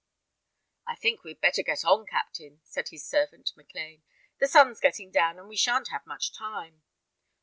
"I think we had better get on, captain," said his servant, Maclean. "The sun's getting down, and we shan't have much time."